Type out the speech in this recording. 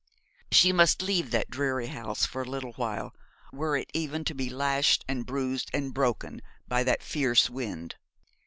She must leave that dreary house for a little while, were it even to be lashed and bruised and broken by that fierce wind.